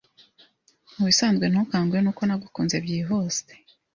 Mubisanzwe ntukangwe nuko nagukunze byihuse